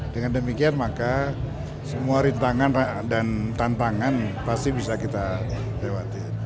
dengan demikian maka semua rintangan dan tantangan pasti bisa kita lewati